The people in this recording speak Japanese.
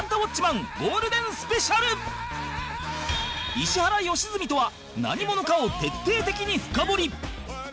石原良純とは何者かを徹底的に深掘り